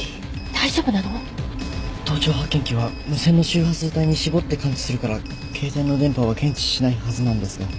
盗聴発見器は無線の周波数帯に絞って感知するから携帯の電波は検知しないはずなんですが。